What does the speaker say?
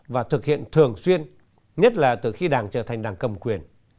và thực hiện thường xuyên nhất là từ khi đảng trở thành đảng cầm quyền